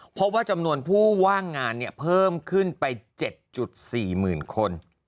พบว่าจำนวนผู้ว่างงานเพิ่มขึ้นไป๗๔หมื่นคน